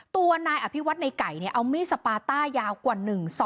ตัวนายอภิวัฒน์นายไก่เนี่ยเอามีสปาต้ายาวกว่า๑๒